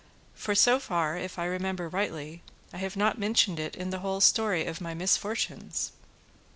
For so far, if I remember rightly, I have not mentioned it in the whole story of my misfortunes."